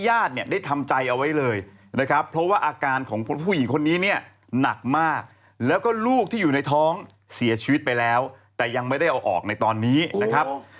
ญาติเนี่ยได้ทำใจเอาไว้เลยนะครับเพราะว่าอาการของผู้หญิงคนนี้เนี่ยหนักมากแล้วก็ลูกที่อยู่ในท้องเสียชีวิตไปแล้วแต่ยังไม่ได้เอาออกในตอนนี้นะครับ